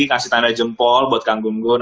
kasih tanda jempol buat kang gunggun